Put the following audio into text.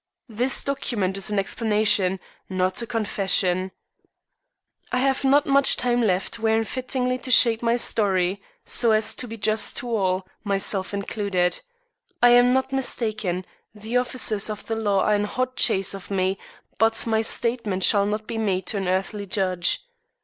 This document is an explanation, not a confession. I have not much time left wherein fittingly to shape my story so as to be just to all, myself included. If I am not mistaken, the officers of the law are in hot chase of me, but my statement shall not be made to an earthly judge.